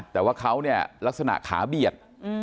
แต่ว่าเขาเนี่ยลักษณะขาเบียด